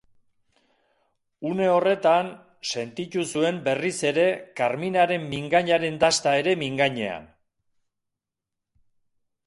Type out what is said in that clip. Une horretan sentitu zuen berriz ere Carminaren mingainaren dasta bere mingainean.